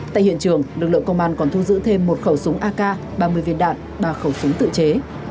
tại hiện trường lực lượng công an còn thu giữ thêm một khẩu súng ak ba mươi viên đạn ba khẩu súng tự chế